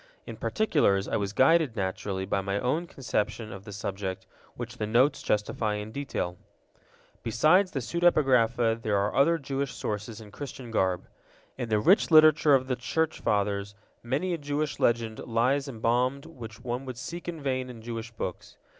In particulars, I was guided, naturally, by my own conception of the subject, which the Notes justify in detail. Besides the pseudepigrapha there are other Jewish sources in Christian garb. In the rich literature of the Church Fathers many a Jewish legend lies embalmed which one would seek in vain in Jewish books.